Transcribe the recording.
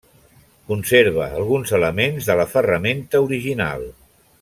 Conserva alguns elements de la ferramenta original.